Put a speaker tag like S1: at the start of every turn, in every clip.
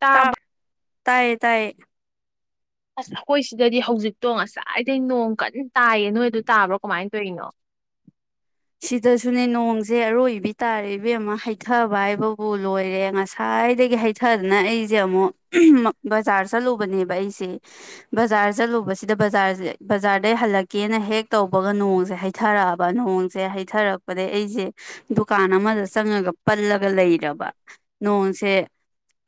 S1: ꯇꯥꯕ
S2: ꯇꯥꯛ ꯇꯥꯏꯌꯦ ꯇꯌꯦ
S1: ꯑꯁ ꯑꯩꯈꯣꯏ ꯁꯤꯗꯗꯤ ꯍꯧꯖꯤꯛꯇꯣ ꯉꯁꯥꯏꯗꯩ ꯅꯣꯡ ꯀꯟꯅ ꯇꯥꯏꯌꯦ ꯅꯣꯏꯗ ꯇꯥꯕ꯭ꯔꯣ ꯀꯃꯥꯏꯅ ꯇꯧꯔꯤꯅꯣ
S2: ꯁꯤꯗꯁꯨꯅꯦ ꯅꯣꯡꯁꯦ ꯑꯔꯣꯏꯕꯤ ꯇꯥꯔꯦ ꯑꯃ ꯍꯥꯏꯥꯏꯊꯕꯕ ꯍ ꯂꯣꯏꯔꯦ ꯉꯁꯥꯏꯗꯒꯤ ꯍꯩꯊꯗꯅ ꯑꯩꯁꯦ ꯑꯃꯨꯛ ꯕꯖꯥꯔ ꯆꯠꯂꯨꯕꯅꯦꯕ ꯑꯩꯁꯦ ꯕꯖꯥꯔ ꯆꯠꯂꯨꯕꯁꯤꯗ ꯕꯖꯥꯔꯁꯦ ꯕꯖꯥꯔꯗꯒꯤꯩ ꯍꯜꯂꯛꯀꯦꯅ ꯍꯦꯛ ꯇꯧꯕꯒ ꯅꯣꯡꯁꯦ ꯍꯩꯊꯔꯛꯑꯕ ꯅꯣꯡ ꯁꯦ ꯍꯩꯊꯔꯛꯄꯗꯒꯤꯩ ꯑꯩꯁꯦ ꯗꯨꯀꯥꯟ ꯑꯃꯗ ꯆꯪꯉꯒ ꯄꯜꯂꯒ ꯂꯩꯔꯕ ꯅꯣꯡꯁꯦ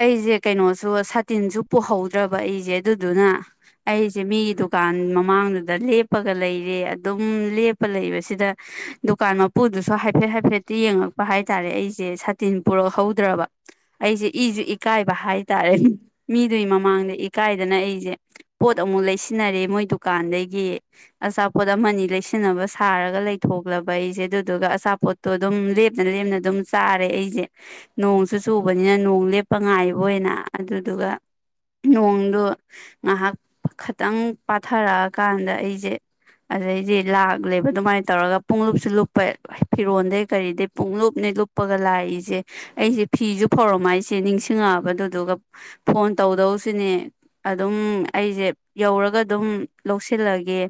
S2: ꯑꯩꯁꯦ ꯀꯩꯅꯣꯁꯨ ꯁꯥꯇꯤꯟꯁꯨ ꯄꯨꯍꯧꯗ꯭ꯔꯕ ꯑꯩꯁꯦ ꯑꯗꯨꯗꯨꯅ ꯑꯩꯁꯦ ꯃꯤꯒꯤ ꯗꯨꯀꯥꯟ ꯃꯃꯥꯡꯗꯨꯗ ꯂꯦꯞꯄꯒ ꯂꯩꯔꯦ ꯑꯗꯨꯝ ꯂꯦꯞꯄ ꯂꯩꯕꯁꯤꯗ ꯗꯨꯀꯥꯟ ꯃꯄꯨꯗꯨꯁꯨ ꯍꯥꯏꯐꯦꯠ ꯍꯥꯏꯐꯦꯠꯇ ꯌꯦꯡꯉꯛꯄ ꯍꯥꯏꯇꯥꯔꯦ ꯑꯩꯁꯦ ꯁꯥꯇꯤꯟ ꯄꯨꯔꯛꯍꯧꯗ꯭ꯔꯕ ꯑꯩꯁꯦ ꯏꯁꯨ ꯏꯀꯥꯏꯕ ꯍꯥꯏ ꯇꯔꯦ ꯃꯤꯗꯨꯒꯤ ꯃꯃꯥꯡꯗ ꯏꯀꯥꯏꯗꯅ ꯑꯩꯁꯦ ꯄꯣꯠ ꯑꯃꯨꯛ ꯂꯩꯁꯤꯟꯅꯔꯦ ꯃꯣꯏ ꯗꯨꯀꯥꯟꯗꯒꯤ ꯑꯆꯥꯄꯣꯠ ꯑꯃꯅꯤ ꯑ ꯂꯩꯁꯤꯟꯅꯕ ꯁꯥꯔꯒ ꯂꯩꯊꯣꯛ ꯂꯂꯕ ꯑꯩꯁꯦ ꯑꯗꯨꯗꯨꯒ ꯑꯆꯥꯄꯣꯠꯇꯣ ꯑꯗꯨꯝ ꯂꯦꯞꯅ ꯂꯦꯞꯅ ꯑꯗꯨꯝ ꯆꯥꯔꯦ ꯑꯩꯁꯦ ꯅꯣꯡꯁꯨ ꯆꯨꯕꯅꯤꯅ ꯅꯣꯡ ꯂꯦꯞꯄ ꯉꯥꯏꯕ ꯑꯣꯏꯅ ꯑꯗꯨꯗꯨꯒ ꯅꯣꯡꯗꯨꯣ ꯉꯥꯏꯍꯥꯛ ꯈꯤꯇꯪ ꯄꯥꯊꯔꯛꯑꯀꯥꯟꯗ ꯑꯩꯁꯦ ꯑꯗꯩꯗꯤ ꯂꯥꯛꯂꯦꯕ ꯑꯗꯨꯃꯥꯏꯅ ꯇꯧꯔꯒ ꯄꯨꯡꯂꯨꯞꯁꯨ ꯂꯨꯞꯄ ꯐꯤꯔꯣꯟꯜꯗꯩ ꯀꯔꯤꯗꯩ ꯄꯨꯡꯂꯨꯞꯅꯤ ꯂꯨꯞꯄꯒ ꯂꯥꯛꯏꯁꯦ ꯑꯩꯁꯦ ꯐꯤꯁꯨ ꯐꯧꯔꯝꯃꯥꯏꯁꯦ ꯅꯤꯡꯁꯤꯡꯉꯛꯑꯕꯗꯨꯗꯨꯒ ꯐꯣꯟ ꯇꯧꯗꯧꯁꯤꯅꯦ ꯑꯗꯨꯝ ꯑꯩꯁꯦ ꯌꯧꯔꯒ ꯑꯗꯨꯝ ꯂꯧꯁꯤꯜꯂꯒꯦ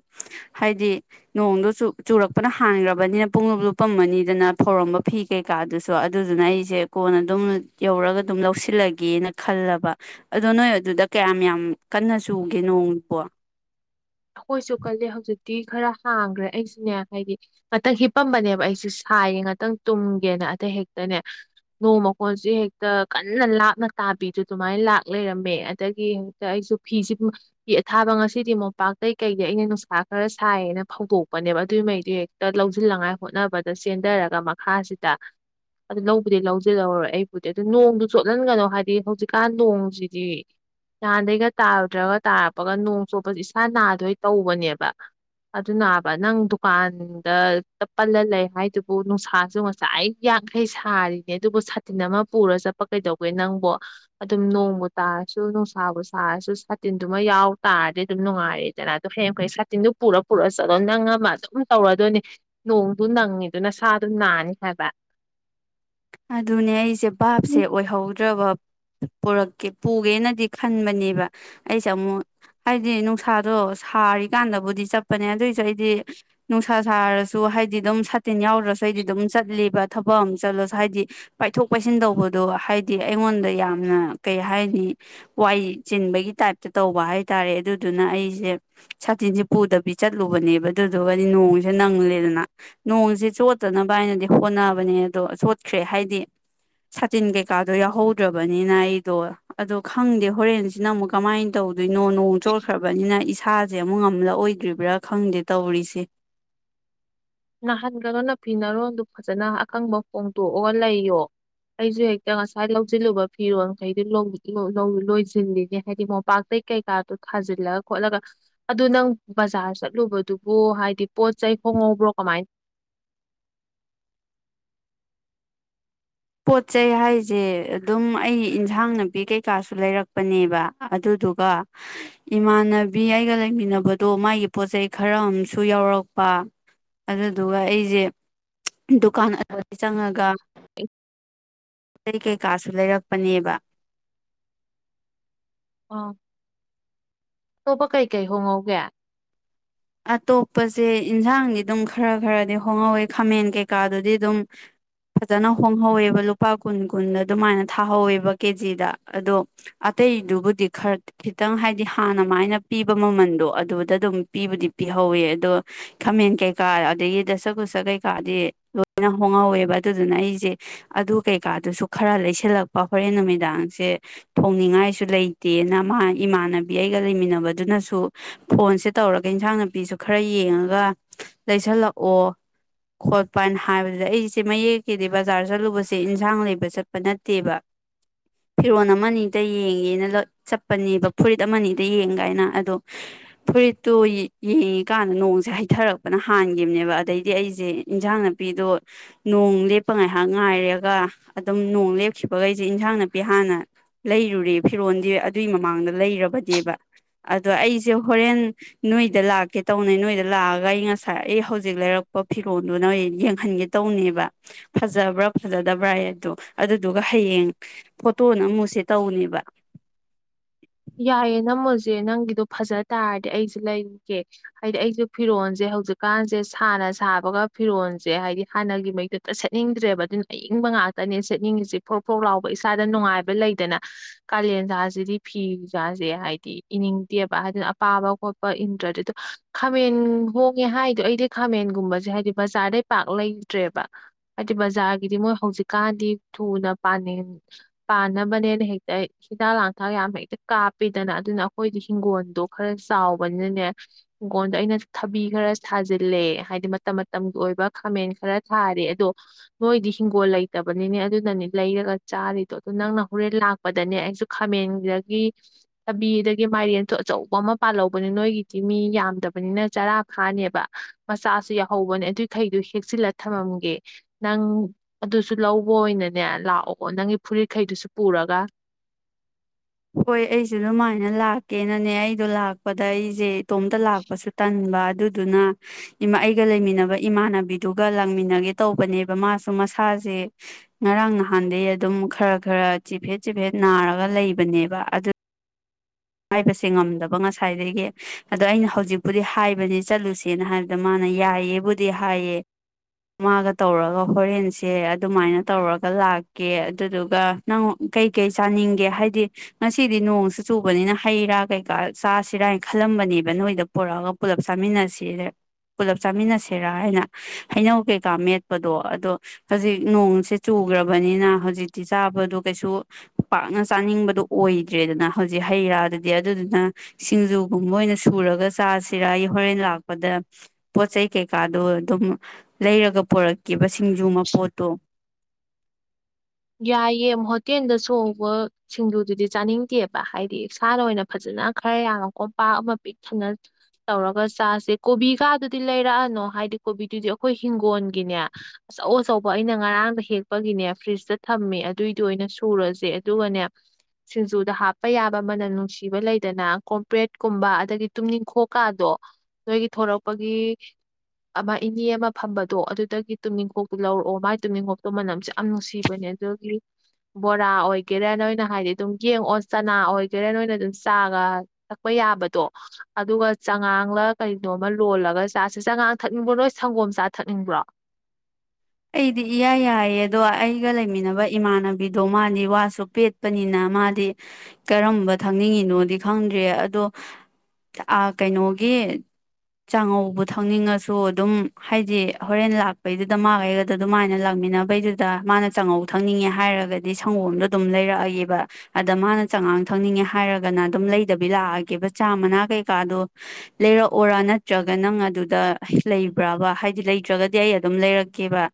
S2: ꯍꯥꯏꯗꯤ ꯅꯣꯡꯗ ꯆꯨꯔ ꯐꯅ ꯍꯥꯡꯈ꯭ꯔꯕꯅꯤꯅ ꯄꯨꯡꯞ ꯂꯨꯞꯄꯝꯃꯅꯤꯗꯅ ꯐꯧꯔꯝꯕ ꯐꯤ ꯀꯩꯀꯥꯗꯨꯁꯨ ꯑꯗꯨꯗꯨꯅ ꯑꯩꯁꯦ ꯀꯣꯟꯅ ꯑꯗꯨꯝ ꯌꯧꯔꯒ ꯑꯗꯨꯝ ꯂꯧꯁꯤꯜꯂꯒꯦꯅ ꯈꯜꯂꯕ ꯑꯗꯣ ꯅꯣꯏ ꯑꯗꯨꯗ ꯀꯌꯥꯝ ꯌꯥꯝ ꯀꯟꯅ ꯆꯨꯒꯦ ꯅꯣꯡꯕꯣ
S1: ꯀꯣꯏꯁꯨ ꯀꯥꯏꯦ ꯍꯧꯖꯤꯛ ꯇꯤ ꯈꯔ ꯍꯥꯡꯈ꯭ꯔꯦ ꯑꯩꯁꯤꯅꯦ ꯍꯥꯏꯗꯤ ꯉꯥꯛꯇꯪ ꯍꯤꯞꯄꯝꯕꯅꯦꯕ ꯑꯩꯁꯦ ꯁꯥꯏꯌꯦ ꯉꯥꯛꯇꯪ ꯇꯨꯝꯒꯦꯅ ꯑꯗ ꯍꯦꯛꯇꯅꯦ ꯅꯣꯡ ꯃꯈꯀꯣꯟꯁꯦ ꯍꯦꯛꯇ ꯀꯟꯅ ꯂꯥꯞꯅ ꯇꯥꯕꯤꯗꯨ ꯑꯗꯨꯃꯥꯏꯅ ꯂꯥꯛ ꯂꯩꯔꯝꯃꯦ ꯑꯗꯒꯤ ꯍꯦꯛꯇ ꯑꯩꯁꯨ ꯐꯤꯁꯦ ꯐꯤ ꯑꯊꯥꯕ ꯉꯁꯤꯗꯤ ꯃꯣꯝꯄꯥꯛ ꯑꯗꯇꯩ ꯀꯩꯗꯩ ꯑꯩꯅ ꯅꯨꯡꯁꯥ ꯈꯔ ꯁꯥꯏꯌꯦꯅ ꯐꯧꯗꯣꯛꯄꯅꯦꯕ ꯑꯗꯨꯒꯤꯉꯩꯗꯨ ꯍꯦꯛꯇ ꯂꯧꯁꯤꯜꯅꯉꯥꯏ ꯍꯣꯠꯅꯕꯗ ꯆꯦꯟꯊꯔꯒ ꯃꯈꯥꯁꯤꯗ ꯑꯗꯨ ꯂꯧꯕꯗꯤ ꯂꯧꯁꯤꯜꯍꯧꯔꯣꯏ ꯑꯩꯕꯨꯗꯤ ꯑꯗꯨ ꯅꯣꯡꯗꯨ ꯆꯣꯠꯍꯟꯒꯅꯣ ꯍꯥꯏꯗꯤ ꯍꯧꯖꯤꯛꯀꯥꯟ ꯅꯣꯡꯁꯤꯗꯤ ꯅꯍꯥꯟꯗꯒꯤꯩꯒ ꯇꯥꯔꯨꯗ꯭ꯔꯒ ꯇꯥꯔꯛꯄꯒ ꯅꯣꯡ ꯆꯣꯠꯄꯁꯤ ꯏꯁꯁꯥ ꯅꯥꯗꯣꯏ ꯇꯧꯕꯅꯦꯕ ꯑꯗꯨꯅꯕ ꯅꯪ ꯗꯨꯀꯥꯟꯗ ꯄꯜꯂ ꯂꯩ ꯍꯥꯏꯗꯨꯕꯨ ꯅꯨꯡꯁꯥꯁꯨ ꯉꯁꯥꯏ ꯑꯩ ꯌꯥꯡꯈꯩ ꯁꯥꯔꯤꯅꯦ ꯑꯗꯨꯕꯨ ꯁꯥꯇꯤꯟ ꯑꯃ ꯄꯨꯔ ꯆꯠꯄ ꯀꯩꯗꯧꯒꯦ ꯅꯪꯕꯨ ꯑꯗꯨꯝ ꯅꯣꯡꯕꯨ ꯇꯥꯔꯁꯨ ꯅꯨꯡꯁꯥꯕꯨ ꯁꯥꯔꯁꯨ ꯁꯥꯇꯤꯟꯗꯨꯃ ꯌꯥꯎ ꯇꯥꯔꯗꯤ ꯑꯗꯨꯝ ꯅꯨꯡꯉꯥꯏꯔꯦꯗꯅ ꯑꯗꯨꯣ ꯍꯌꯦꯡꯈꯌꯦꯡ ꯁꯥꯇꯤꯟꯗꯨꯣ ꯄꯨꯔ ꯄꯨꯔ ꯆꯠꯂꯣ ꯅꯪꯉꯃ ꯑꯗꯨꯝ ꯇꯧꯔꯗꯣꯏꯅꯤ ꯅꯣꯡꯗꯨ ꯅꯪꯉꯤꯗꯨꯅ ꯁꯥꯗꯨ ꯅꯥꯅꯤ ꯍꯥꯏꯕ
S2: ꯑꯗꯨꯅꯦ ꯑꯩꯁꯦ ꯚꯥꯞꯁꯦ ꯑꯣꯏꯍꯧꯗ꯭ꯔꯕ ꯄꯨꯔꯛꯀꯦ ꯄꯨꯒꯦꯅꯗꯤ ꯈꯟꯕꯅꯦꯕ ꯑꯩꯁꯦ ꯑꯃꯨꯛ ꯍꯥꯏꯗꯤ ꯅꯨꯡꯁꯥꯗꯣ ꯁꯥꯔꯤꯀꯥꯟꯗꯕꯨꯗꯤ ꯆꯠꯄꯅꯦ ꯑꯗꯨꯑꯣꯏꯁꯨ ꯑꯩꯗꯤ ꯅꯨꯡꯁꯥ ꯁꯥꯔꯁꯨ ꯍꯥꯏꯗꯤ ꯑꯗꯨꯝ ꯇꯤꯟ ꯌꯥꯎꯔꯁꯨ ꯑꯩꯗꯤ ꯑꯗꯨꯝ ꯆꯠꯂꯤꯕ ꯊꯄꯝ ꯆꯂꯣ ꯍꯥꯏꯗꯤ ꯄꯥꯏꯊꯣꯛ ꯄꯥꯏꯁꯤꯟ ꯇꯧꯕꯗꯣ ꯍꯥꯏꯗꯤ ꯑꯩꯉꯣꯟꯗ ꯌꯥꯝꯅ ꯀꯩ ꯍꯥꯏꯅꯤ ꯋꯥꯏ ꯆꯤꯟꯕꯒꯤ ꯇꯥꯏꯞꯇ ꯇꯧꯕ ꯍꯥꯏꯇꯥꯔꯦ ꯑꯗꯨꯗꯨꯅ ꯑꯩꯁꯦ ꯁꯥꯇꯤꯟꯁꯦ ꯄꯨꯗꯕꯤ ꯆꯠꯂꯨꯕꯅꯦꯕ ꯑꯗꯨꯗꯨꯒꯗꯤ ꯅꯣꯡꯁꯦ ꯅꯪꯂꯦꯗꯅ ꯅꯣꯡꯁꯦ ꯆꯣꯠꯇꯅꯕ ꯍꯥꯏꯅꯗꯤ ꯍꯣꯠꯅꯕꯅꯦ ꯑꯗꯣ ꯈ꯭ꯔꯦ ꯍꯥꯏꯗꯤ ꯁꯥꯇꯤꯟ ꯀꯩꯀꯥꯗꯣ ꯌꯥꯎꯍꯧꯗ꯭ꯔꯕꯅꯤꯅ ꯑꯩꯗꯣ ꯑꯗꯣ ꯈꯪꯗꯦ ꯍꯣꯔꯦꯟꯁꯤꯅ ꯑꯃꯨꯛ ꯀꯃꯥꯏꯅ ꯇꯧ ꯑꯗꯨꯏ ꯅꯣꯡ ꯅꯣꯡ ꯆꯣꯠꯈ꯭ꯔꯕꯅꯤꯅ ꯁꯥꯥꯁꯦ ꯑꯃꯨꯛ ꯉꯝꯗꯕ ꯑꯣꯏꯗ꯭ꯔꯤꯕ꯭ꯔꯥ ꯈꯪꯗꯦ ꯇꯧꯔꯤꯁꯦ
S1: ꯅꯍꯟꯒꯅꯣꯅ ꯐꯤꯅꯔꯣꯟꯜꯗꯨ ꯐꯖꯅ ꯑꯀꯪꯕ ꯐꯣꯡꯗꯣꯛꯑꯒ ꯂꯩꯌꯣ ꯑꯩꯁꯨ ꯍꯦꯛꯇ ꯉꯁꯥꯏ ꯂꯧꯁꯤꯜꯂꯨꯕ ꯐꯤꯔꯣꯜꯈꯩꯗꯨ ꯂꯣꯏꯁꯤꯜꯂꯤꯅꯦ ꯍꯥꯏꯗꯤ ꯃꯣꯝꯄꯥꯛꯇꯩ ꯀꯩꯀꯥꯗꯣ ꯊꯥꯖꯤꯜꯂꯒ ꯈꯣꯠꯂꯒ ꯑꯗꯨ ꯅꯪ ꯕꯖꯥꯔ ꯆꯠꯂꯨꯕꯗꯨꯕꯨ ꯍꯥꯏꯗꯤ ꯄꯣꯠ ꯆꯩ ꯈꯣꯡꯍꯧꯕ꯭ꯔꯣ ꯀꯃꯥꯏ
S2: ꯄꯣꯠ ꯆꯩꯩ ꯍꯥꯏꯁꯦ ꯑꯗꯨꯝ ꯑꯩꯒꯤ ꯏꯟꯁꯥꯡ ꯅꯥꯕꯤ ꯀꯩꯀꯥꯁꯨ ꯂꯩꯔꯛꯄꯅꯦꯕ ꯑꯗꯨꯗꯨꯒ ꯏꯃꯥꯟꯅꯕꯤ ꯑꯩꯒ ꯂꯩꯃꯤꯟꯅꯕꯗꯣ ꯃꯥꯒꯤ ꯄꯣꯠꯆꯩ ꯈꯔ ꯑꯃꯁꯝꯨ ꯌꯥꯎꯔꯛꯄ ꯑꯗꯨꯗꯨꯒ ꯑꯩꯁꯦ ꯗꯨꯀꯥꯟ ꯑꯗꯨꯋꯥꯗ ꯆꯪꯉꯒ
S1: [unintelligible]
S2: ꯑꯩ ꯀꯩꯀꯥꯁꯨ ꯂꯩꯔꯛꯄꯅꯦꯕ
S1: ꯑꯥ ꯑꯇꯣꯞꯄ ꯀꯩꯀꯩ ꯍꯣꯡꯍꯧꯒꯦ
S2: ꯑꯇꯣꯞꯄꯁꯦ ꯏꯟꯁꯥꯡꯗꯤ ꯑꯗꯨꯝ ꯈꯔ ꯈꯔꯗꯤ ꯍꯣꯡꯍꯧꯋꯦ ꯈꯥꯃꯦꯟ ꯀꯩꯀꯥꯗꯨꯗꯤ ꯑꯗꯨꯝ ꯐꯖꯅ ꯍꯣꯡꯍꯧꯋꯦꯕ ꯂꯨꯄꯥ ꯀꯨꯟ ꯀꯨꯟꯗ ꯑꯗꯨꯃꯥꯏꯅ ꯊꯥꯍꯧꯋꯦꯕ ꯀꯦꯖꯤꯗ ꯑꯗꯣ ꯑꯇꯩꯗꯨꯕꯨꯗꯤ ꯈꯔ ꯈꯤꯇꯪ ꯍꯥꯏꯗꯤ ꯍꯥꯟꯅꯃꯥꯏꯅ ꯄꯤꯕ ꯃꯃꯜꯗꯣ ꯑꯗꯨꯗ ꯑꯗꯨꯝ ꯄꯤꯕꯨꯗꯤ ꯄꯤꯍꯧꯋꯦ ꯑꯗꯣ ꯈꯥꯃꯦꯟ ꯀꯩꯀꯥ ꯑꯗꯒꯤ ꯗꯁ ꯁ ꯀꯩꯀꯥꯗꯤ ꯂꯣꯏꯅ ꯍꯣꯡꯍꯧꯋꯦꯕ ꯑꯗꯨꯗꯨꯅ ꯑꯩꯁꯦ ꯑꯗꯨ ꯀꯩꯀꯥꯗꯨꯁꯨ ꯈꯔ ꯂꯩꯁꯤꯜꯂꯛꯄ ꯍꯣꯔꯦꯟ ꯅꯨꯃꯤꯗꯥꯡꯁꯦ ꯊꯣꯡꯅꯤꯡꯉꯥꯏꯁꯨ ꯂꯩꯇꯦꯅ ꯃꯥ ꯏꯃꯥꯟꯅꯕꯤ ꯑꯩꯒ ꯂꯩꯃꯤꯟꯅꯕꯗꯨꯅꯁꯨ ꯐꯣꯟꯁꯦ ꯇꯧꯔꯒ ꯏꯟꯁꯥꯡ ꯄꯤ ꯄꯤꯕꯤꯁꯨ ꯈꯔ ꯌꯦꯡꯉꯒ ꯂꯩꯁꯜꯂꯛꯑꯣ ꯈꯣꯠꯄꯅ ꯍꯥꯏꯕꯗꯨꯗ ꯑꯩꯁꯦ ꯃꯌꯦꯛꯀꯤꯗꯤ ꯕꯖꯥꯔ ꯆꯠꯂꯨꯕꯁꯦ ꯏꯟꯁꯥꯡ ꯂꯩꯕ ꯆꯠꯄ ꯅꯠꯇꯦꯕ ꯐꯤꯔꯣꯜ ꯑꯃ ꯑꯗ ꯌꯦꯡꯉꯦꯅ ꯆꯠꯄꯅꯦꯕ ꯐꯨꯔꯤꯠ ꯑꯃ ꯑꯅꯤꯗ ꯌꯦꯡ ꯀꯥꯏꯅ ꯑꯗꯣ ꯐꯨꯔꯤꯠꯇꯨ ꯌꯦꯡꯉꯤꯀꯥꯟꯗ ꯅꯣꯡꯁꯦ ꯍꯩꯊꯔꯛꯄꯅ ꯍꯥꯟꯈꯤꯕꯅꯦꯕ ꯑꯗꯩꯗꯤ ꯑꯩꯁꯦ ꯏꯟꯖꯥꯡ ꯅꯥꯄꯤꯗꯣ ꯅꯣꯡ ꯂꯦꯞꯄ ꯉꯥꯏꯍꯥꯛ ꯉꯥꯏꯔꯒ ꯑꯗꯨꯝ ꯅꯣꯡ ꯂꯦꯞꯈꯤꯕꯈꯩꯁꯦ ꯏꯟꯖꯥꯡ ꯅꯥꯄꯤ ꯍꯥꯟꯅ ꯂꯩꯔꯨꯔꯦ ꯐꯤꯔꯣꯜꯗꯤ ꯑꯗꯨꯒꯤ ꯃꯃꯥꯡꯗ ꯂꯩꯔꯕꯅꯦꯕ ꯑꯗꯣ ꯑꯩꯁꯦ ꯍꯣꯔꯦꯟ ꯅꯣꯏ ꯗ ꯂꯥꯛꯀꯦ ꯇꯧꯅꯩ ꯅꯣꯏꯗ ꯂꯥꯛꯑꯒ ꯑꯩ ꯉꯁꯥꯏ ꯑꯩ ꯍꯧꯖꯤꯛ ꯂꯩꯔꯛꯄ ꯐꯤꯔꯣꯜꯗꯨꯅ ꯌꯦꯡꯍꯟꯒꯦ ꯇꯧꯅꯦꯕ ꯐꯖꯕ꯭ꯔꯥ ꯐꯖꯗꯕ꯭ꯔꯥ ꯍꯥꯏꯗꯣ ꯑꯗꯨꯗꯨꯒ ꯍꯌꯦꯡ ꯐꯣꯇꯣꯅ ꯑꯃꯨꯛꯁꯦ ꯇꯧꯅꯦꯕ
S1: ꯌꯥꯏꯑꯦ ꯅꯝꯃꯣꯁꯦ ꯅꯪꯒꯤꯗꯣ ꯐꯖ ꯇꯥꯔꯗꯤ ꯑꯩꯁꯨꯦ ꯂꯩꯔꯒꯦ ꯍꯥꯏꯗꯤ ꯑꯩꯁꯨ ꯐꯤꯔꯣꯜꯁꯦ ꯍꯧꯖꯤꯛꯀꯥꯟꯁꯦ ꯁꯥꯅ ꯁꯥꯕꯒ ꯐꯤꯔꯣꯜꯁꯦ ꯍꯥꯏꯗꯤ ꯍꯥꯟꯅꯒꯤ ꯃꯩꯗꯨꯛꯇ ꯁꯦꯠꯅꯤꯡꯗ꯭ꯔꯦꯕ ꯑꯗꯨꯅ ꯑꯏꯪꯕ ꯉꯥꯛꯇꯅꯦ ꯁꯦꯠꯅꯤꯡꯉꯁꯤꯦ ꯐꯧꯣꯛ ꯐꯧ ꯂꯥꯎꯕ ꯏꯁꯥꯗ ꯅꯨꯡꯉꯥꯏꯕ ꯂꯩꯗꯅ ꯀꯥꯂꯦꯟ ꯊꯥꯁꯤꯗꯤ ꯐꯤꯖꯥꯁꯦ ꯍꯥꯏꯗꯤ ꯏꯅꯤꯡꯗꯦꯕ ꯍꯥꯏꯗꯅ ꯑꯄꯥꯕ ꯈꯣꯠꯄ ꯏꯟꯗ꯭ꯔꯗꯤ ꯑꯗꯨꯣ ꯈꯥꯃꯦꯟ ꯍꯣꯡꯉꯦ ꯍꯥꯏꯗꯣ ꯑꯩꯗꯤ ꯈꯥꯃꯦꯟꯒꯨꯝꯕꯁꯦ ꯍꯥꯏꯗꯤ ꯕꯖꯥꯔꯗꯩ ꯄꯥꯛ ꯂꯩꯇ꯭ꯔꯦꯕ ꯍꯥꯏꯗꯤ ꯕꯖꯥꯔꯒꯤꯗꯤ ꯃꯣꯏ ꯍꯧꯖꯤꯛꯀꯥꯟꯗꯤ ꯊꯨꯅ ꯄꯥꯟꯅꯕꯅꯦꯅ ꯍꯦꯛꯇ ꯍꯤꯗꯥꯛ ꯂꯥꯡꯊꯛ ꯉꯥꯛ ꯌꯥꯝ ꯍꯦꯛꯇ ꯀꯥꯞꯄꯤꯗꯅ ꯑꯗꯨꯅ ꯑꯩꯈꯣꯏꯗꯤ ꯍꯤꯡꯒꯣꯜꯗꯣ ꯈꯔ ꯆꯥꯎꯕꯅꯤꯅꯦ ꯍꯤꯡꯒꯣꯜꯗꯣ ꯑꯩꯅ ꯊꯕꯤ ꯈꯔ ꯊꯖꯤꯜꯂꯦ ꯍꯥꯏꯗꯤ ꯃꯇꯝ ꯃꯇꯝꯒꯤ ꯑꯣꯏꯕ ꯈꯥꯃꯦꯟ ꯈꯔ ꯊꯥꯔꯦ ꯑꯗꯣ ꯅꯣꯏꯗꯤ ꯍꯤꯡꯒꯣꯜ ꯂꯩꯇꯕꯅꯤꯅꯦ ꯑꯗꯨꯅꯅꯦ ꯂꯩꯔꯒ ꯆꯥꯔꯤꯗꯣ ꯑꯗꯨꯗꯣ ꯅꯪꯅ ꯍꯣꯔꯦꯟ ꯂꯥꯛꯄꯗꯅꯦ ꯑꯩꯁꯨ ꯈꯥꯃꯦꯟꯗꯒꯤ ꯊꯕꯤꯗꯒꯤ ꯃꯥꯏꯔꯦꯟꯁꯨ ꯑꯆꯧꯕ ꯑꯃ ꯄꯥꯜꯍꯧꯕꯅꯦ ꯅꯣꯏꯒꯤꯗꯤ ꯃꯤ ꯌꯥꯝꯗꯕꯅꯤꯅ ꯆꯔꯥ ꯈꯥꯅꯦꯕ ꯃꯆꯥꯁꯨ ꯌꯥꯎꯍꯧꯕꯅꯦ ꯑꯗꯨꯏꯈꯩꯗꯨꯣ ꯍꯦꯛꯆꯤꯜꯂ ꯊꯝꯃꯝꯒꯦ ꯅꯪ ꯑꯗꯨꯁꯨ ꯂꯧꯕ ꯑꯣꯏꯅꯅꯦ ꯂꯥꯛꯑꯣꯀꯣ ꯅꯪꯒꯤ ꯐꯨꯔꯤꯠꯈꯩꯗꯨꯁꯨ ꯄꯨꯔꯒ
S2: ꯍꯣꯏ ꯑꯩꯁꯨ ꯑꯗꯨꯃꯥꯏꯅ ꯂꯥꯛꯀꯦꯅꯅꯦ ꯑꯩꯗꯣ ꯂꯥꯛꯄꯗ ꯑꯩꯁꯦ ꯏꯇꯣꯝꯇ ꯂꯥꯛꯄꯁꯨ ꯇꯟꯕ ꯑꯗꯨꯗꯨꯅꯥ ꯑꯩꯒ ꯂꯩꯃꯤꯟꯅꯕ ꯏꯃꯥꯟꯅꯕꯤꯗꯨꯒ ꯂꯥꯡꯃꯤꯟꯅꯒꯦ ꯇꯧꯕꯅꯦꯕ ꯃꯥꯁꯨ ꯃꯁꯥꯁꯦ ꯉꯔꯥꯡ ꯅꯍꯥꯟꯗꯒꯤꯩ ꯑꯗꯨꯝ ꯈꯔ ꯈꯔ ꯆꯤꯐꯦꯠ ꯆꯤꯐꯦꯠ ꯅꯥꯔꯒ ꯂꯩꯕ ꯕꯅꯦꯕ ꯑꯗꯨ ꯍꯥꯏꯕꯁꯦ ꯉꯝꯗꯕ ꯉꯁꯥꯏꯗꯒꯤ ꯑꯗꯣ ꯑꯩꯅ ꯍꯧꯖꯤꯛꯄꯨꯗꯤ ꯍꯥꯏꯕꯅꯤ ꯆꯠꯂꯨꯁꯦꯅ ꯍꯥꯏꯕꯗ ꯃꯥꯅ ꯌꯥꯏꯌꯦꯕꯨꯗꯤ ꯍꯥꯏꯌꯦ ꯃꯥꯒ ꯇꯧꯔꯒ ꯍꯣꯔꯦꯟꯁꯦ ꯑꯗꯨꯃꯥꯏꯅ ꯇꯧꯔꯒ ꯂꯥꯛꯀꯦ ꯑꯗꯨꯗꯨꯒ ꯅꯪ ꯀꯩꯀꯩ ꯆꯥꯅꯤꯡꯒꯦ ꯍꯥꯏꯗꯤ ꯉꯁꯤꯗꯤ ꯅꯣꯡꯁꯨ ꯆꯨ ꯆꯨꯕꯅꯤꯅ ꯍꯩꯔꯥ ꯀꯩꯀꯥ ꯆꯥꯁꯤꯔꯥ ꯍꯥꯏꯅ ꯈꯜꯂꯝꯕꯅꯦꯕ ꯅꯣꯏꯗ ꯄꯨꯔꯛꯑꯒ ꯄꯨꯂꯞ ꯆꯥꯃꯤꯟꯅꯁꯤꯔ ꯄꯨꯂꯞ ꯆꯥꯃꯤꯟꯅꯁꯤꯔꯥ ꯍꯥꯏꯅ ꯍꯩꯅꯧ ꯀꯩꯀꯥ ꯃꯦꯠꯄꯗꯣ ꯑꯗꯣ ꯍꯧꯖꯤꯛ ꯅꯣꯡꯁꯦ ꯆꯨꯈ꯭ꯔꯕꯅꯤꯅ ꯍꯧꯖꯤꯛꯇꯤ ꯆꯥꯕꯗꯨ ꯀꯩꯁꯨ ꯄꯥꯛꯅ ꯆꯥꯅꯤꯡꯕꯗꯨꯣ ꯑꯣꯏꯗ꯭ꯔꯦꯗꯅ ꯍꯧꯖꯤꯛ ꯍꯧꯖꯤꯛ ꯍꯩ ꯔꯥꯗꯨꯗꯤ ꯑꯗꯨꯗꯨꯅ ꯁꯤꯡꯖꯨꯒꯨꯝꯕ ꯑꯣꯏꯅ ꯁꯨꯔꯒ ꯆꯥꯁꯤꯔ ꯑꯩ ꯍꯣꯔꯦꯟ ꯂꯥꯛꯄꯗ ꯄꯣꯠ ꯆꯩ ꯀꯩꯀꯥꯗꯣ ꯑꯗꯨꯝ ꯂꯩꯔꯒ ꯄꯨꯣꯔꯛꯈꯤꯕꯕ ꯁꯤꯡꯖꯨ ꯃꯄꯣꯠꯇꯣ
S1: ꯌꯥꯏꯌꯦ ꯍꯣꯇꯦꯜꯗ ꯁꯧꯕ ꯁꯤꯡꯗꯨꯨꯗꯨꯗꯤ ꯆꯥꯅꯤꯡꯗꯦꯕ ꯍꯥꯏꯗꯤ ꯏꯁꯥꯅ ꯑꯣꯏꯅ ꯐꯖꯅ ꯈꯔ ꯌꯥꯝꯡꯉꯛꯀꯣ ꯄꯥꯛ ꯑꯃ ꯄꯤꯛ ꯊꯅ ꯇꯧꯔꯒ ꯆꯥꯁꯦ ꯀꯣꯕꯤꯒꯗꯨꯗꯤ ꯂꯩꯔꯛꯑꯅꯣ ꯍꯥꯏꯗꯤ ꯀꯣꯕꯤꯗꯨꯗꯤ ꯑꯩꯈꯣꯏ ꯍꯤꯡꯒꯣꯜꯒꯤꯅꯦ ꯑꯆꯧ ꯑꯆꯧꯕ ꯑꯩꯅ ꯉꯔꯥꯡꯗ ꯍꯦꯛꯄꯒꯤꯅꯦ ꯐ꯭ꯔꯤꯖꯇ ꯊꯝꯃꯦ ꯑꯗꯨꯏꯗꯨꯣ ꯑꯣꯏꯅ ꯁꯨꯔꯁꯦ ꯑꯗꯨꯒꯅꯦ ꯁꯤꯡꯖꯨꯗ ꯍꯥꯞꯄ ꯌꯥꯕ ꯃꯅꯝ ꯅꯨꯡꯁꯤꯕ ꯂꯩꯗꯅ ꯀꯣꯝꯄ꯭ꯔꯦꯠꯀꯨꯝꯕ ꯑꯗꯒꯤ ꯇꯨꯝꯅꯤꯡꯈꯣꯛꯀꯥꯗꯣ ꯅꯣꯏꯒꯤ ꯊꯣꯔꯛꯄꯒꯤ ꯑꯃ ꯏꯅꯦ ꯑꯃ ꯐꯝꯕꯗꯣ ꯑꯗꯨꯗꯒꯤ ꯇꯨꯝꯅꯤꯡꯈꯣꯛꯇꯣ ꯂꯧꯔꯛꯑꯣ ꯃꯥꯏ ꯇꯨꯝꯅꯤꯡꯈꯣꯛꯇꯣ ꯃꯅꯝꯁꯦ ꯌꯥꯝ ꯅꯨꯡꯁꯤꯕꯅꯦ ꯑꯗꯨꯒꯤ ꯕꯣꯔꯥ ꯑꯣꯏꯒꯦꯔꯥ ꯅꯣꯏꯅ ꯍꯥꯏꯗꯤ ꯑꯗꯨꯝ ꯌꯦꯡꯉꯑꯣ ꯆꯅꯥ ꯑꯣꯏꯒꯦꯔꯥ ꯅꯣꯏꯅ ꯑꯗꯨꯝ ꯆꯥꯒ ꯊꯛꯄ ꯌꯥꯕꯗꯣ ꯑꯗꯨꯒ ꯆꯥꯉꯥꯡꯂ ꯀꯅꯣꯃ ꯂꯣꯜꯂꯒ ꯆꯥꯁꯦ ꯆꯥꯉꯥꯡ ꯊꯛꯅꯤꯡꯕ꯭ꯔꯣ ꯅꯣꯏ ꯁꯪꯒꯣꯝ ꯆꯥ ꯊꯛꯅꯤꯡꯕ꯭ꯔꯣ
S2: ꯑꯩꯗꯤ ꯏꯌꯥ ꯌꯥꯏꯌꯦ ꯑꯗꯣ ꯑꯩꯒ ꯂꯩꯃꯤꯟꯅꯕ ꯏꯃꯥꯟꯅꯕꯤꯗꯣ ꯃꯥꯗꯤ ꯋꯥꯁꯨ ꯄꯦꯠꯄꯅꯤꯅ ꯃꯥꯗꯤ ꯀꯔꯝꯕ ꯊꯛꯅꯤꯡꯉꯤꯅꯣꯗꯤ ꯈꯪꯗ꯭ꯔꯤ ꯑꯗꯣ ꯀꯩꯅꯣꯒꯤ ꯆꯥꯉꯧꯕ ꯊꯪꯅꯤꯡꯉꯁꯨ ꯑꯗꯨꯝ ꯍꯥꯏꯗꯤ ꯍꯣꯔꯦꯟ ꯂꯥꯛꯄꯩꯗꯨꯗ ꯃꯥꯒꯩꯒ ꯑꯗꯨꯗ ꯑꯗꯨꯃꯥꯏꯅ ꯂꯥꯛꯃꯤꯟꯅꯕꯩꯗꯨꯗ ꯃꯥꯅ ꯆꯥꯉꯧ ꯊꯛꯅꯤꯡꯉꯦ ꯍꯥꯏꯔꯒꯗꯤ ꯁꯪꯒꯣꯝꯗꯣ ꯑꯗꯨꯝ ꯂꯩꯔꯛꯑꯒꯦꯕ ꯑꯗ ꯃꯥꯅ ꯆꯉꯥꯡ ꯊꯛꯅꯤꯡꯉꯦ ꯍꯥꯏꯔꯒꯅ ꯑꯗꯨꯝ ꯂꯩꯗꯕꯤ ꯂꯥꯛꯑꯒꯦꯕ ꯆꯥ ꯃꯅꯥ ꯀꯩꯀꯥꯗꯣ ꯂꯩꯔꯛꯑꯣꯔꯥ ꯅꯠꯇ꯭ꯔꯒ ꯅꯪ ꯑꯗꯨꯗ ꯂꯩꯕ꯭ꯔꯕ ꯍꯥꯏꯗꯤ ꯂꯩꯇ꯭ꯔꯒꯗꯤ ꯑꯩ ꯑꯗꯨꯝ ꯂꯩꯔꯛꯀꯦꯕ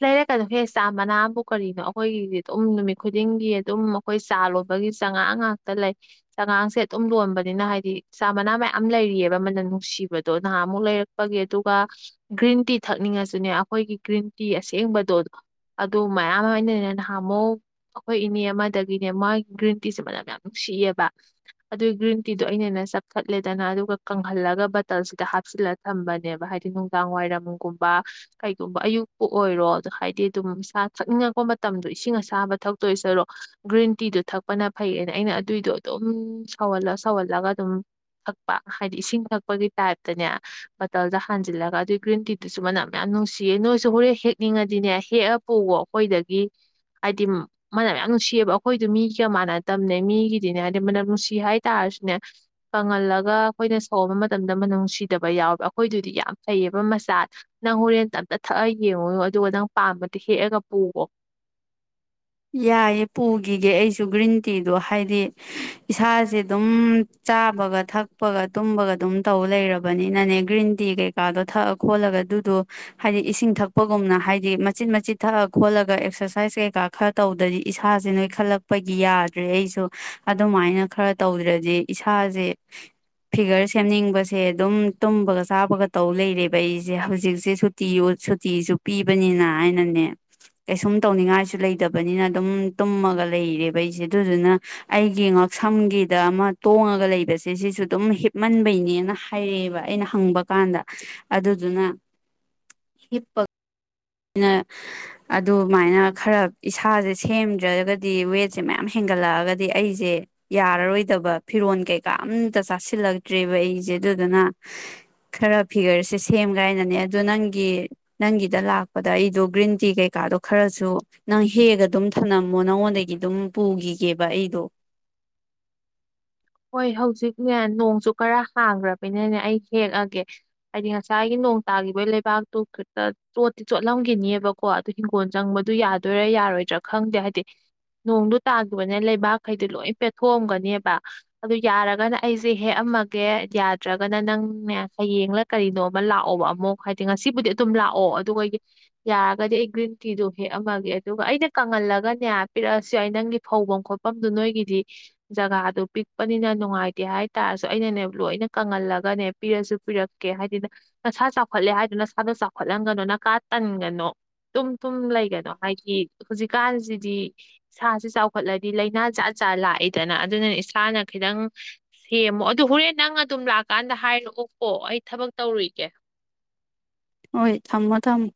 S1: ꯑ ꯂꯩꯔꯛꯀꯗꯍꯦ ꯆꯥ ꯃꯅꯥꯕꯨ ꯀꯔꯤꯅꯣ ꯑꯩꯈꯣꯏꯒꯤꯗꯤ ꯑꯗꯨꯝ ꯅꯨꯃꯤꯠ ꯈꯨꯗꯤꯡꯒꯤ ꯑꯗꯨꯝ ꯑꯩꯈꯣꯏ ꯆꯥ ꯂꯣꯟꯕꯒꯤ ꯆꯉꯥꯡ ꯉꯥꯛꯇ ꯂꯩ ꯆꯉꯥꯡꯁꯦ ꯑꯗꯨꯝ ꯂꯣꯟꯕꯅꯤꯅ ꯍꯥꯏꯗꯤ ꯆꯥ ꯃꯅꯥ ꯃꯌꯥꯝ ꯂꯩꯔꯤꯑꯕ ꯃꯅ ꯅꯨꯡꯁꯤꯕꯗꯣ ꯅꯍꯥꯟꯃꯨꯛ ꯂꯩꯔꯛꯄꯒꯤ ꯑꯗꯨꯒ ꯒ꯭ꯔꯤꯟ ꯇꯤ ꯊꯛꯅꯤꯡꯉꯁꯨꯅꯦ ꯑꯩꯈꯣꯏꯒꯤ ꯒ꯭ꯔꯤꯟ ꯇꯤ ꯑꯁꯦꯡꯕꯗꯣꯗꯣ ꯑꯗꯨ ꯃꯌꯥꯝ ꯑꯃ ꯑꯩꯅꯅꯦꯅ ꯅꯍꯥꯃꯨ ꯑꯩꯈꯣꯏ ꯏꯅꯦ ꯑꯃꯗꯒꯤꯅꯦ ꯃꯥꯒꯤ ꯒ꯭ꯔꯤꯟ ꯇꯤꯁꯦ ꯃꯅꯝ ꯌꯥꯝ ꯅꯨꯡꯁꯤꯑꯕ ꯑꯗꯨꯏ ꯒ꯭ꯔꯤꯟ ꯇꯤꯗꯣ ꯑꯩꯅꯅ ꯆꯞꯊꯠꯂꯦꯗꯅ ꯑꯗꯨꯒ ꯀꯪꯍꯜꯂꯒ ꯕꯇꯜꯁꯤꯗ ꯍꯥꯞꯆꯤꯜꯂ ꯊꯝꯕꯅꯦꯕ ꯍꯥꯏꯗꯤ ꯅꯨꯡꯗꯥꯡ ꯋꯥꯏꯔꯝꯒꯨꯝꯕ ꯀꯩꯒꯨꯝꯕ ꯑꯌꯨꯛ ꯄꯣꯛꯑꯣ ꯑꯣꯏꯔꯣ ꯑꯣ ꯍꯥꯏꯗꯤ ꯑꯗꯨꯝꯥ ꯊꯛꯅꯤꯡꯉꯛꯄ ꯃꯇꯝꯗꯣ ꯏꯁꯤꯡ ꯑꯁꯥꯕ ꯊꯛꯇꯣꯏꯁꯤꯔꯣ ꯒ꯭ꯔꯤꯟ ꯇꯤꯗꯣ ꯊꯛꯄꯅ ꯐꯩꯌꯦꯅ ꯑꯩꯅ ꯑꯗꯨꯏꯗꯣ ꯑꯗꯨꯝ ꯁꯧꯍꯜꯂ ꯁꯧꯍꯜꯂꯒ ꯑꯗꯨꯝ ꯊꯛꯄ ꯍꯥꯏꯗꯤ ꯏꯁꯤꯡ ꯊꯛꯄꯒꯤ ꯇꯥꯏꯞꯇꯅꯦ ꯕꯇꯜꯗ ꯍꯥꯟꯖꯤꯜꯂꯒ ꯑꯗꯨꯏ ꯒ꯭ꯔꯤꯟ ꯇꯤꯗꯨꯁꯨ ꯃꯅꯝ ꯌꯥꯝ ꯅꯨꯡꯁꯤꯌꯦ ꯁꯨ ꯍꯣꯔꯦꯟ ꯍꯦꯛꯅꯤꯡꯉꯗꯤꯅꯦ ꯍꯦꯛꯑ ꯄꯨꯋꯣ ꯑꯩꯈꯣꯏꯗꯒꯤ ꯍꯥꯏꯗꯤ ꯃꯅꯝ ꯌꯥꯝ ꯅꯨꯡꯁꯤꯑꯦꯕ ꯑꯩꯈꯣꯏꯗꯨ ꯃꯤꯒ ꯃꯥꯟꯅ ꯇꯝꯅꯦ ꯃꯤꯒꯤꯗꯤꯅꯦ ꯍꯥꯏꯗꯤ ꯃꯅꯝ ꯅꯨꯡꯁꯤ ꯍꯥꯏꯇꯥꯥꯔꯁꯨꯅꯦ ꯀꯪꯍꯜꯂꯒ ꯑꯩꯈꯣꯏꯅ ꯁꯧꯕ ꯃꯇꯝꯗ ꯃꯅꯝ ꯅꯨꯡꯁꯤꯗꯕ ꯌꯥꯎꯋꯦꯕ ꯑꯩꯈꯣꯏꯗꯨꯗꯤ ꯌꯥꯝ ꯐꯩꯌꯦꯕ ꯃꯆꯥ ꯅꯪ ꯍꯣꯔꯦꯟꯝꯇ ꯊꯛꯑ ꯌꯦꯡꯉꯨꯨ ꯑꯗꯨꯒ ꯅꯪ ꯄꯥꯝꯕꯗ ꯍꯦꯛꯑꯒ ꯄꯨꯑꯣꯣ
S2: ꯌꯥꯏꯌꯦꯦ ꯄꯨꯈꯤꯒꯦ ꯑꯩꯁꯨ ꯒ꯭ꯔꯤꯟ ꯇꯤꯗꯣ ꯍꯥꯏꯗꯤ ꯏꯁꯥꯁꯦ ꯑꯗꯨꯝ ꯆꯥꯕꯒ ꯊꯛꯄꯒ ꯇꯨꯝꯕꯒ ꯑꯗꯨꯝ ꯇꯧ ꯂꯩꯔꯕꯅꯤꯅꯅꯦ ꯒ꯭ꯔꯤꯟ ꯇꯤ ꯀꯩꯀꯥꯗꯣ ꯊꯛꯑ ꯈꯣꯠꯂꯒ ꯑꯗꯨꯗꯣ ꯍꯥꯏꯗꯤ ꯏꯁꯤꯡ ꯊꯛꯄꯒꯨꯝꯅ ꯍꯥꯏꯗꯤ ꯃꯆꯤꯠ ꯃꯆꯤꯠ ꯊꯛꯑ ꯈꯣꯠꯂꯒ ꯑꯦꯛꯁꯔꯁꯥꯏꯁ ꯀꯩꯀꯥ ꯈꯔ ꯇꯧꯗ꯭ꯔꯗꯤ ꯏꯁꯥꯁꯦ ꯅꯣꯏ ꯈꯜꯂꯛꯄꯒꯤ ꯌꯥꯗ꯭ꯔꯦ ꯑꯩꯁꯨ ꯑꯗꯨꯃꯥꯏꯅ ꯈꯔ ꯇꯧꯗ꯭ꯔꯗꯤ ꯏꯁꯥꯁꯦ ꯐꯤꯒꯔ ꯁꯦꯝꯅꯤꯡꯕꯁꯦ ꯑꯗꯨꯝ ꯇꯨꯝꯕꯒ ꯆꯥꯕꯒ ꯇꯧ ꯂꯩꯔꯦꯕ ꯑꯩꯁꯦ ꯍꯧꯖꯤꯛꯁꯦ ꯁꯨꯤ ꯁꯨꯇꯤꯁꯨ ꯄꯤꯕꯅꯤꯅ ꯍꯥꯏꯅꯅꯦ ꯀꯩꯁꯨꯝ ꯇꯧꯅꯤꯡꯉꯥꯏꯁꯨ ꯂꯩ ꯂꯩꯗꯕꯅꯤꯅ ꯑꯗꯨꯝ ꯇꯨꯝꯃꯒ ꯂꯩꯔꯦꯕ ꯑꯩꯁꯦ ꯑꯗꯨꯗꯨꯅ ꯑꯩꯒꯤ ꯉꯛꯁꯝꯒꯤꯗ ꯑꯃ ꯇꯣꯡꯉꯒ ꯂꯩꯕꯁꯦ ꯁꯤꯁꯨ ꯑꯗꯨꯝ ꯍꯤꯞꯃꯟꯕꯩꯅꯦꯅ ꯍꯥꯏꯔꯛꯑꯦꯕ ꯑꯩꯅ ꯍꯪꯕ ꯀꯥꯟꯗ ꯑꯗꯨꯗꯨꯅ ꯍꯤꯞꯄ ꯑꯩꯅ ꯑꯗꯨꯃꯥꯏꯅ ꯈꯔ ꯏꯁꯥꯁꯦ ꯁꯦꯝꯗ꯭ꯔꯒꯗꯤ ꯋꯦꯠꯁꯦ ꯃꯌꯥꯝ ꯍꯦꯟꯒꯠꯂꯛꯑꯒꯗꯤ ꯑꯩꯁꯦ ꯌꯥꯔꯔꯣꯏꯗꯕ ꯐꯤꯔꯣꯜ ꯀꯩꯀꯥ ꯑꯝꯇ ꯆꯥꯁꯤꯜꯂꯛꯇ꯭ꯔꯦꯕ ꯑꯩꯁꯦ ꯑꯗꯨꯗꯨꯅ ꯈꯔ ꯐꯤꯒꯔꯁꯦ ꯁꯦꯝ ꯀꯥꯏꯅꯅꯦ ꯑꯗꯨ ꯅꯪꯒꯤ ꯅꯪꯒꯤꯗ ꯂꯥꯛꯄ ꯑꯗ ꯑꯩꯗꯣ ꯒ꯭ꯔꯤꯟ ꯇꯤ ꯀꯩꯀꯥꯗꯣ ꯈꯔꯁꯨ ꯅꯪ ꯍꯦꯛꯒ ꯑꯗꯨꯝ ꯊꯝꯂꯝꯝꯃꯣ ꯅꯉꯣꯟꯗꯒꯤ ꯑꯗꯨꯝ ꯄꯨꯈꯤꯒꯦꯕ ꯑꯩꯗꯣ
S1: ꯍꯣꯏ ꯍꯧꯖꯤꯛꯅꯦ ꯅꯣꯡꯁꯨ ꯈꯔ ꯍꯥꯡꯈ꯭ꯔꯕꯅꯤꯅꯅꯦ ꯑꯩ ꯍꯦꯛꯑꯒꯦ ꯍꯥꯏꯗꯤ ꯉꯁꯥꯏꯒꯤ ꯅꯣꯡ ꯇꯥꯒꯤꯈꯤꯕꯒꯤ ꯂꯩꯕꯥꯛꯇꯨ ꯈꯤꯇ ꯆꯣꯠꯇꯤ ꯆꯣꯠꯂꯝꯈꯤꯅꯤꯕꯀꯣ ꯑꯗꯨ ꯍꯤꯡꯒꯣꯜ ꯆꯪꯕꯗꯨ ꯌꯥꯗꯣꯏꯔꯥ ꯌꯥꯔꯣꯏꯗ꯭ꯔꯥ ꯈꯪꯗꯦ ꯍꯥꯏꯗꯤ ꯅꯣꯡꯗꯨ ꯇꯥꯈꯤꯕꯅꯦ ꯂꯩꯕꯥꯛꯈꯩꯗꯤ ꯂꯣꯏ ꯄꯦꯊꯣꯛꯑꯝꯒꯅꯦꯕ ꯑꯗꯨ ꯌꯥꯔꯒꯅ ꯑꯩꯁꯦ ꯍꯦꯛꯑꯝꯃꯒꯦ ꯌꯥꯗ꯭ꯔꯒꯅ ꯅꯪꯅꯦ ꯍꯌꯦꯡꯂ ꯀꯔꯤꯅꯣ ꯑꯃ ꯂꯥꯛꯑꯣꯕ ꯑꯃꯨꯛ ꯍꯥꯏꯗꯤ ꯉꯁꯤꯕꯨꯗꯤ ꯑꯗꯨꯝ ꯂꯥꯛꯑꯣ ꯑꯗꯨꯒ ꯌꯥꯔꯒꯗꯤ ꯑꯩ ꯒ꯭ꯔꯤꯟ ꯇꯤꯗꯣ ꯍꯦꯛꯑꯝꯃꯒꯦ ꯑꯗꯨꯒ ꯑꯩꯅ ꯀꯪꯍꯜꯂꯒꯅꯦ ꯄꯤꯔꯛꯑꯁꯨ ꯑꯩ ꯅꯪꯒꯤ ꯐꯧꯐꯝ ꯈꯣꯠꯐꯝꯗꯨ ꯅꯣꯏꯒꯤꯗꯤ ꯖꯒꯥꯗꯨ ꯂꯛꯄꯅꯤꯅ ꯅꯨꯡꯉꯥꯏꯇꯦ ꯍꯥꯏꯇꯥꯔꯁꯨ ꯑꯩꯅꯅꯦ ꯂꯣꯏꯅ ꯀꯪꯍꯜꯂꯒꯅꯦ ꯄꯤꯔꯁꯨ ꯄꯤꯔꯛꯀꯦ ꯍꯥꯏꯗꯤ ꯅꯁꯥ ꯆꯥꯎꯈꯠꯂꯦ ꯍꯥꯏꯗꯨ ꯅꯁꯥꯗꯣ ꯆꯥꯎꯈꯠꯍꯟꯒꯅꯣ ꯅꯀꯥ ꯇꯟꯒꯅꯣ ꯇꯨꯝ ꯇꯨꯝ ꯂꯩꯒꯅꯣ ꯍꯥꯏꯗꯤ ꯍꯧꯖꯤꯛꯀꯥꯟꯁꯤꯗꯤ ꯏꯁꯁꯤ ꯆꯥꯎꯈꯠꯂꯗꯤ ꯂꯥꯏꯅꯥ ꯥꯠ ꯖꯥ ꯂꯥꯛꯏꯗꯅ ꯑꯗꯨꯅ ꯏꯁꯥꯅ ꯈꯤꯇꯪ ꯁꯦꯝꯃꯣ ꯑꯗꯨ ꯍꯣꯔꯦꯟ ꯅꯪ ꯑꯗꯨꯝ ꯂꯥꯛꯀꯥꯟꯗ ꯍꯥꯏꯔꯛꯑꯣꯀꯣ ꯑꯩ ꯊꯕꯛ ꯇꯧꯔꯨꯏꯒꯦ
S2: ꯍꯣꯏ ꯊꯝꯃꯣ ꯊꯝꯃꯣ